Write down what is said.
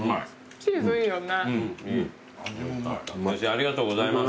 ありがとうございます。